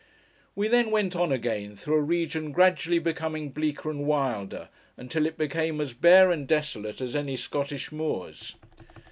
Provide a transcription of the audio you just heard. We then went on again, through a region gradually becoming bleaker and wilder, until it became as bare and desolate as any Scottish moors.